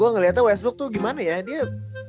gua ngeliatnya westbrook tuh gimana ya dia